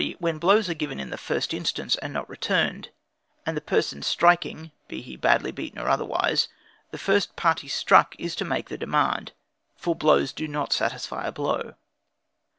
When blows are given in the first instance and not returned, and the person first striking, be badly beaten or otherwise, the party first struck is to make the demand, for blows do not satisfy a blow.